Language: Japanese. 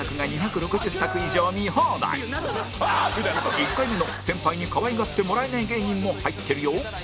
１回目の先輩に可愛がってもらえない芸人も入ってるよ